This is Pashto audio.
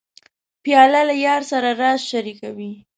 پیاله له یار سره راز شریکوي.